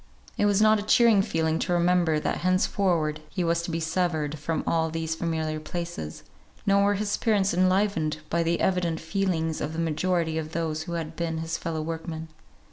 It was not a cheering feeling to remember that henceforward he was to be severed from all these familiar places; nor were his spirits enlivened by the evident feelings of the majority of those who had been his fellow workmen.